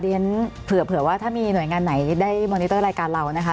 เผื่อว่าถ้ามีหน่วยงานไหนได้มอนิเตอร์รายการเรานะคะ